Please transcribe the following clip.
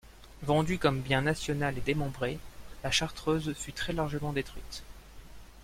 Vendue comme bien national et démembrée, la chartreuse fut très largement détruite.